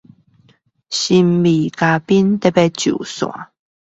神秘嘉賓即將上線